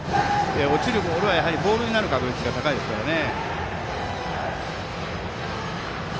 落ちるボールは、ボールになる確率が高いですからね。